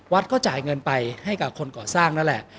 ก็จ่ายเงินไปให้กับคนก่อสร้างนั่นแหละ